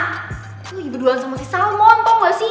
gue tuh berduaan sama si salmon tau gak sih